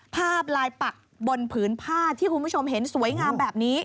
ภาพลายปักบนผืนผ้าที่คุณผู้ชมเห็นสวยงามแบบนี้